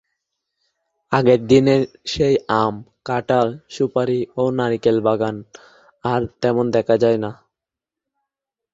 আগের দিনের সেই আম, কাঁঠাল, সুপারি ও নারিকেলের বাগান আর তেমন দেখা যায় না।